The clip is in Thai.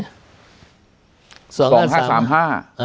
อ่า